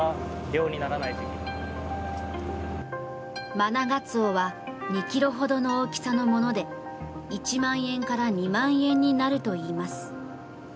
マナガツオは２ｋｇほどの大きさのもので１万円から２万円になるといいます。